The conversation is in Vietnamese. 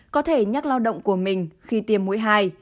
có thể nhắc lao động của mình khi tiêm mũi hai